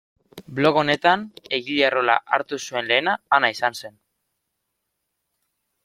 Blog honetan egile rola hartu zuen lehena Ana izan zen.